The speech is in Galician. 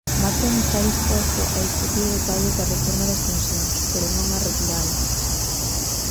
Macron está disposto a discutir detalles da reforma das pensións, pero non a retirala.